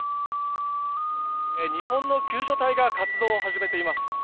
日本の救助隊が活動を始めています。